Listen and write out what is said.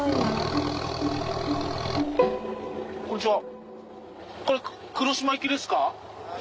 こんにちは。